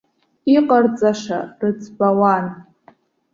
Иҟарҵаша рыӡбауан.